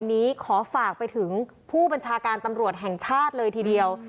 นี้ขอฝากไปถึงผู้บัญชาการตำรวจแห่งชาติเลยทีเดียว